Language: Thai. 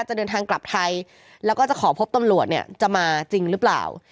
จะเดินทางกลับไทยแล้วก็จะขอพบตำรวจเนี่ยจะมาจริงหรือเปล่า